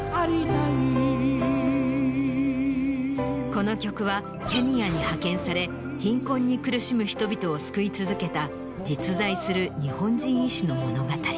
この曲はケニアに派遣され貧困に苦しむ人々を救い続けた実在する日本人医師の物語。